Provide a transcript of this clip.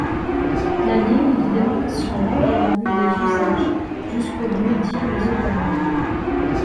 La ligne de démarcation longeait la rue des Usages jusqu'au lieu-dit Les Auvergnats.